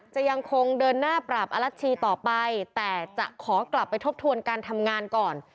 จะยังคงเดินหน้าปราบอลัชชีต่อไปแต่จะขอกลับไปทบทวนการทำงานก่อน